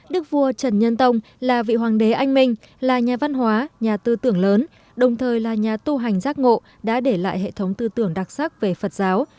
đức vua trần nhân tông là vị hoàng đế anh minh là nhà văn hóa nhà tư tưởng lớn đồng thời là nhà tu hành giác ngộ đã để lại hệ thống tư tưởng đặc sắc về phật giáo